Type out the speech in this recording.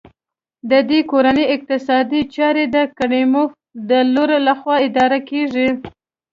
د دې کورنۍ اقتصادي چارې د کریموف د لور لخوا اداره کېږي.